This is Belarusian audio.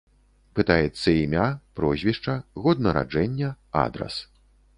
Пытаецца імя, прозвішча, год нараджэння, адрас.